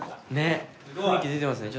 雰囲気出てますね。